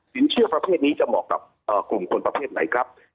เชื่อประเภทนี้จะเหมาะกับกลุ่มคนประเภทไหนครับ